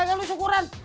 jadi kakak lo syukuran